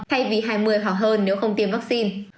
thay vì hai mươi hoặc hơn nếu không tiêm vaccine